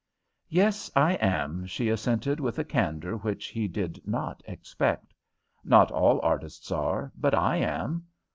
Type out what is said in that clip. "Yes, I am," she assented, with a candour which he did not expect. "Not all artists are, but I am.